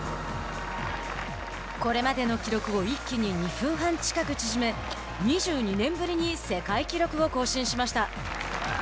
これまでの記録を一気に２分半近く縮め２２年ぶりに世界記録を更新しました。